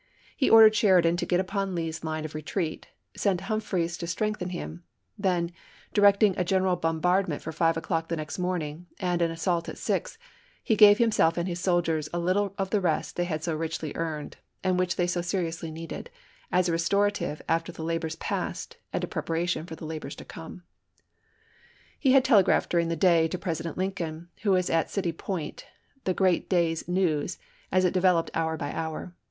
He ordered Sheridan to get upon Lee's line of retreat, sent Humphreys to strengthen him; then, directing a general bom bardment for five o'clock the next morning, and an assault at six, he gave himself and his soldiers a little of the rest they had so richly earned, and which they so seriously needed, as a restorative after the labors past and a preparation for the labors to come. He had telegraphed during the day to President Lincoln, who was at City Point, the great day's 182 ABRAHAM LINCOLN Chap. IX. Badeau, "Military History of U. S. Grant." Vol. III., p. 526. 1866. news as it developed hour by hour.